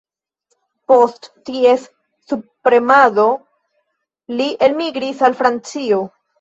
Post ties subpremado, li elmigris al Francio.